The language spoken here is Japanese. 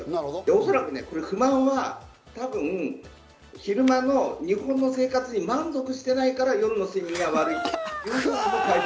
おそらく不満は多分、昼間の日本の生活に満足してないから夜の睡眠が悪い。